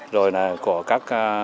rồi là của các